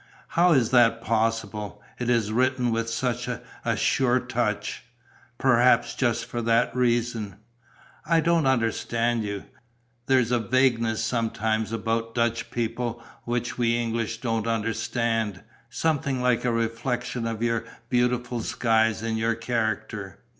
"How is that possible? It is written with such a sure touch." "Perhaps just for that reason." "I don't understand you. There's a vagueness sometimes about Dutch people which we English don't understand, something like a reflection of your beautiful skies in your character."